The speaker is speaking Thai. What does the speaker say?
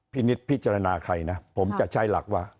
นิดพิจารณาใครนะผมจะใช้หลักว่า